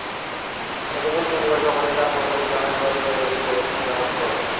গতকাল শনিবার সকালে তাঁর মরদেহ গ্রামের বাড়ির পারিবারিক কবরস্থানে দাফন করা হয়।